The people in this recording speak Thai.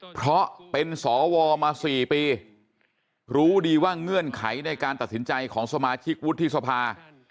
เพราะเป็นสวมา๔ปีรู้ดีว่าเงื่อนไขในการตัดสินใจของสมาชิกวุฒิสภา